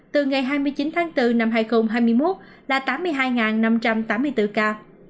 từ ngày hai mươi chín tháng bốn năm hai nghìn hai mươi một là tám mươi hai năm trăm tám mươi bốn ca